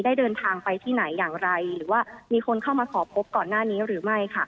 เดินทางไปที่ไหนอย่างไรหรือว่ามีคนเข้ามาขอพบก่อนหน้านี้หรือไม่ค่ะ